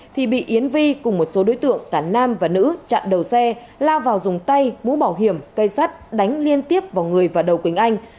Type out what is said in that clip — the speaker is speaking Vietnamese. thì bị yến vi cùng một số đối tượng cả nam và nữ chặn đầu xe lao vào dùng tay mũ bảo hiểm cây sắt đánh liên tiếp vào người và đầu quỳnh anh